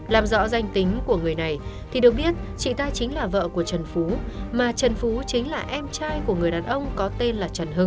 làm rõ danh tính của người này thì được biết chị ta chính là vợ của trần phú mà trần phú chính là em trai của người đàn ông có tên là trần hưng